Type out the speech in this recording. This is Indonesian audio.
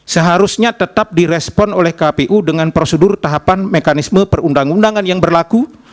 seharusnya tetap direspon oleh kpu dengan prosedur tahapan mekanisme perundang undangan yang berlaku